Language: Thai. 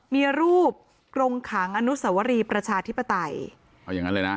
เมียรูปโรงขังอันุศวรีประชาธิปไตร